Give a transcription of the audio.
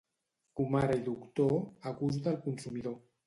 Comare i doctor, a gust del consumidor.